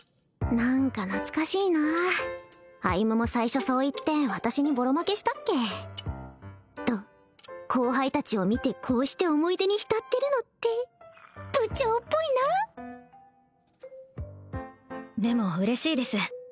何か懐かしいなあ歩も最初そう言って私にボロ負けしたっけと後輩達を見てこうして思い出に浸ってるのって部長っぽいなでも嬉しいです